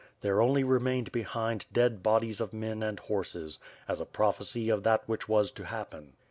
There only remained behind dead bodies of men and horses, as a prophecy of that which was to happen.